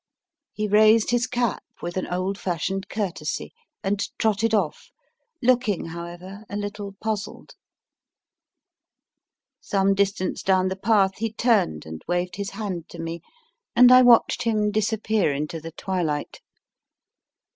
He raised his cap with an old fashioned courtesy and trotted off, looking however a little puzzled. Some distance down the path, he turned and waved his hand to me, and I watched him disappear into the twilight.